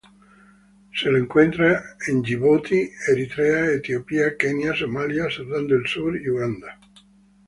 Se lo encuentra en Djibouti, Eritrea, Etiopía, Kenia, Somalia, Sudán del Sur y Uganda.